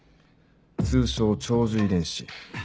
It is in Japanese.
通称長寿遺伝子。